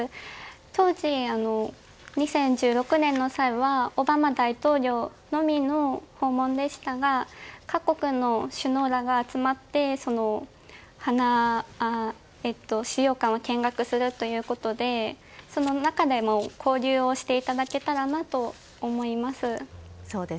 当時、２０１６年の際はオバマ大統領のみの訪問でしたが各国の首脳らが集まって資料館を見学するということでその中でも交流をしていただけたらなと思います。